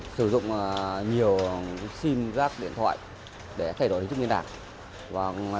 sử dụng nhiều sim rác điện thoại để thay đổi hình chức năng đạt